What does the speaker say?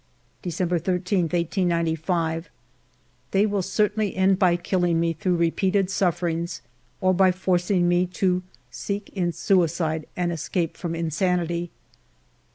December 13, 1895. They will certainly end by killing me through repeated sufferings or by forcing me to seek in suicide an escape from insanity.